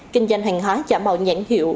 kinh doanh hàng hóa giảm bạo nhãn hiệu